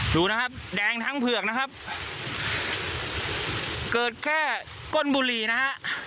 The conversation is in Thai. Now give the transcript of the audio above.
ดูนะครับแดงทั้งเผือกนะครับเกิดแค่ก้นบุหรี่นะฮะ